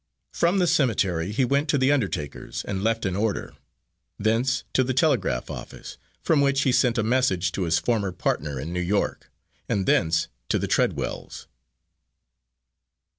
From the cemetery he went to the undertaker's, and left an order; thence to the telegraph office, from which he sent a message to his former partner in New York; and thence to the Treadwells'.